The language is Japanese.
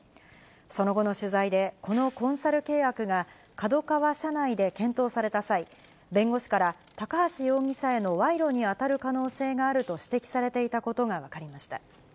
その後の取材で、このコンサル契約がＫＡＤＯＫＡＷＡ社内で検討された際、弁護士から高橋容疑者への賄賂に当たる可能性があると指摘されていたことが分かりました。